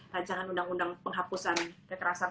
rancangan undang undang penghapusan kekerasan